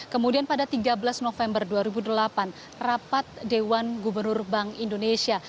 kemudian pada tiga belas november dua ribu delapan rapat dewan gubernur bank indonesia